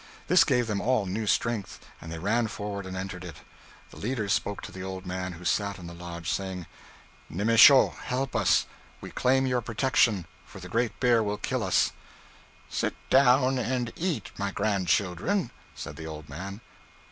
This gave them all new strength, and they ran forward and entered it. The leader spoke to the old man who sat in the lodge, saying, 'Nemesho, help us; we claim your protection, for the great bear will kill us.' 'Sit down and eat, my grandchildren,' said the old man.